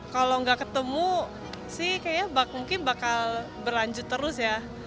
kalau nggak ketemu sih kayaknya mungkin bakal berlanjut terus ya